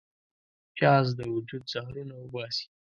پیاز د وجود زهرونه وباسي